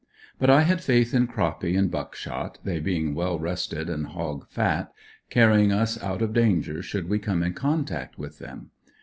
But I had faith in Croppy and Buckshot, they being well rested and hog fat, carrying us out of danger should we come in contact with them.